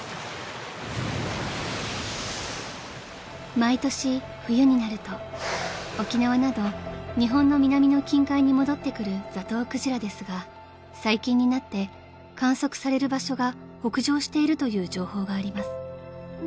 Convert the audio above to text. ［毎年冬になると沖縄など日本の南の近海に戻ってくるザトウクジラですが最近になって観測される場所が北上しているという情報があります］